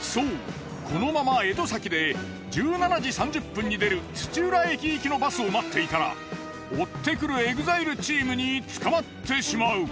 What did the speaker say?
そうこのまま江戸崎で１７時３０分に出る土浦駅行きのバスを待っていたら追ってくるＥＸＩＬＥチームに捕まってしまう。